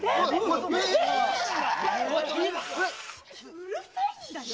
うるさいんだよ